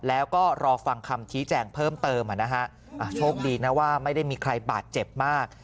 แล้วก็รอฟังคำชี้แจงเพิ่มเติมโชคดีนะว่าไม่ได้มีใครบาดเจ็บมาก